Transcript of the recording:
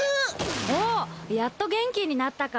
おっやっと元気になったか。